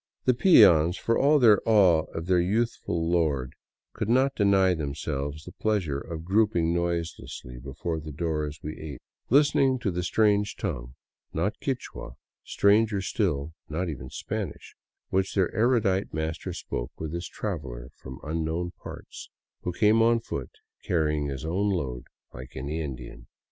The peons, for all their awe of their youthful lord, could not deny themselves the pleasure of grouping noiselessly before the door as we ate, listening to 169 VAGABONDING DOWN THE ANDES the strange tongue — not Quichua, stranger still, not even Spanish — which their erudite master spoke with this traveler from unknown parts, who came on foot, carrying his own load, like any Indian.